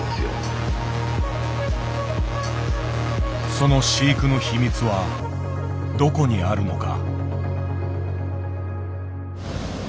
その飼育の秘密はどこにあるのか。